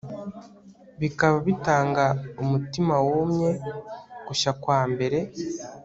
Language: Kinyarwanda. bikaba bitanga umutima wumye gushya kwambere